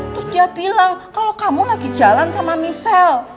terus dia bilang kalau kamu lagi jalan sama michelle